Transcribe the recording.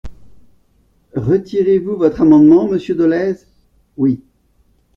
Retirez-vous votre amendement, monsieur Dolez ? Oui.